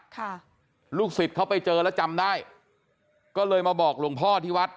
ค่ะลูกศิษย์เขาไปเจอแล้วจำได้ก็เลยมาบอกหลวงพ่อที่วัด